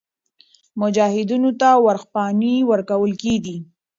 مجاهدینو ته ورځپاڼې ورکول کېدې.